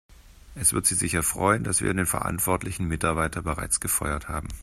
Es wird Sie sicher freuen, dass wir den verantwortlichen Mitarbeiter bereits gefeuert haben.